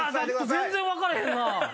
全然分かれへんな。